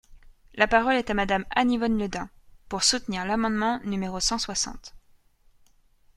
La parole est à Madame Anne-Yvonne Le Dain, pour soutenir l’amendement numéro cent soixante.